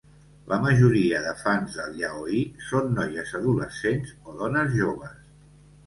La majoria de fans del yaoi són noies adolescents o dones joves.